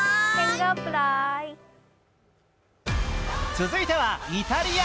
続いては、イタリア。